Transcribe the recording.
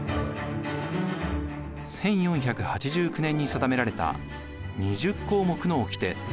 １４８９年に定められた２０項目のおきて。